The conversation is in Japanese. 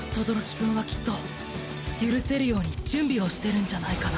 轟くんはきっと許せるように準備をしてるんじゃないかな。